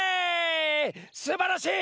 すばらしい！